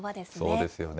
そうですよね。